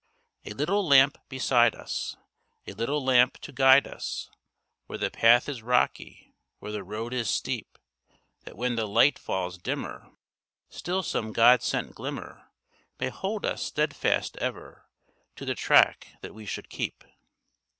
A little lamp beside us, A little lamp to guide us, Where the path is rocky, Where the road is steep. That when the light falls dimmer, Still some God sent glimmer May hold us steadfast ever, To the track that we should keep.